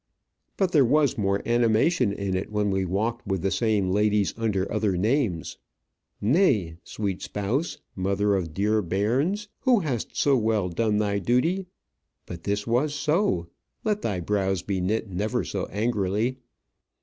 But there was more animation in it when we walked with the same ladies under other names. Nay, sweet spouse, mother of dear bairns, who hast so well done thy duty; but this was so, let thy brows be knit never so angrily.